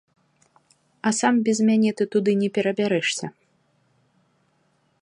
А сам без мяне ты туды не перабярэшся.